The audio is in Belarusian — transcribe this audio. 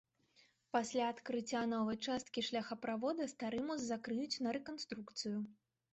Пасля адкрыцця новай часткі шляхаправода стары мост закрыюць на рэканструкцыю.